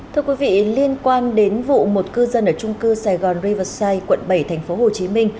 thưa quý vị liên quan đến vụ một cư dân ở trung cư sài gòn riverside quận bảy tp hcm